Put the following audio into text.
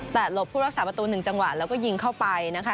แต่หลบผู้รักษาประตู๑จังหวะแล้วก็ยิงเข้าไปนะคะ